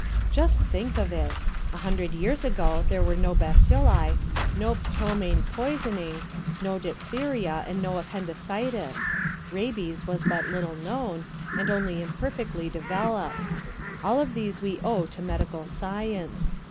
Just think of it. A hundred years ago there were no bacilli, no ptomaine poisoning, no diphtheria, and no appendicitis. Rabies was but little known, and only imperfectly developed. All of these we owe to medical science.